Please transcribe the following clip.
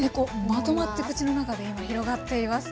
まとまって口の中で今広がっています。